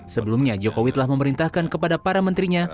sebelumnya jokowi telah memerintahkan kepada para menterinya